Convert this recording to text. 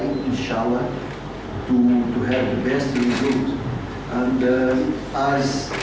kita akan mencoba insya allah untuk memiliki hasil yang terbaik